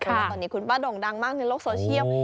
เพราะว่าตอนนี้คุณป้าโด่งดังมากในโลกโซเชียล